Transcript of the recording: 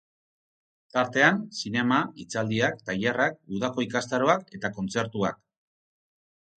Tartean, zinema, hitzaldiak, tailerrak, udako ikastaroak eta kontzertuak.